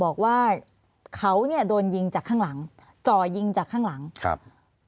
บอกว่าเขาเนี่ยโดนยิงจากข้างหลังจ่อยิงจากข้างหลังครับ